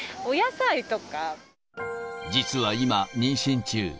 実は今、妊娠中。